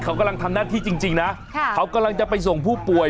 เขากำลังทำหน้าที่จริงนะเขากำลังจะไปส่งผู้ป่วย